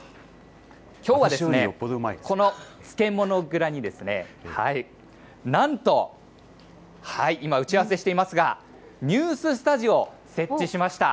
きょうはですね、この漬物蔵に、なんと、今、打ち合わせしていますが、ニューススタジオを設置しました。